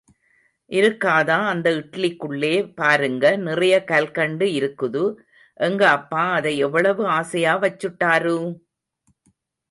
இருக்காதா அந்த இட்லிக்குள்ளே பாருங்க நிறைய கல்கண்டு இருக்குது எங்க அப்பா அதை எவ்வளவு ஆசையா வச்சுட்டாரு!